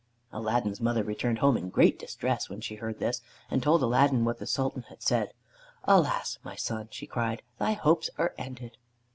Aladdin's mother returned home in great distress when she heard this, and told Aladdin what the Sultan had said. "Alas, my son!" she cried, "thy hopes are ended."